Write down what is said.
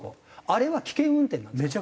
あれは危険運転なんですか？